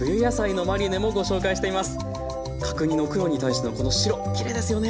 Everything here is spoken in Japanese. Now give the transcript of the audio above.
角煮の黒に対してのこの白きれいですよね。